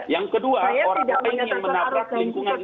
yang kedua orang lain yang menabrak lingkungan